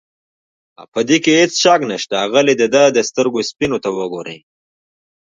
په دې کې هېڅ شک نشته، اغلې د ده د سترګو سپینو ته وګورئ.